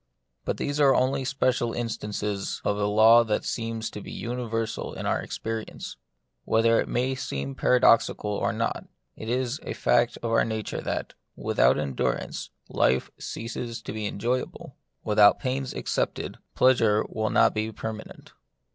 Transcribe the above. But these are only special instances of a law that seems to be universal in our experi ence. Whether it may seem paradoxical or not, it is a fact in our nature that, without endurance, life ceases to be enjoyable ; with out pains accepted, pleasure will not be per manent.